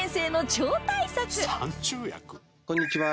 こんにちは。